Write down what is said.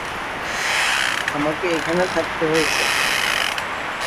আমাকে এখানে থাকতে হয়েছে।